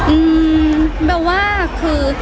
อืมแบบว่าคือ